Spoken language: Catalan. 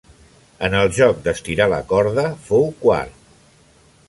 En el joc d'estirar la corda fou quart.